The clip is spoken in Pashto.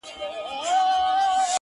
زه مي پر خپلي بې وسۍ باندي تکيه کومه!!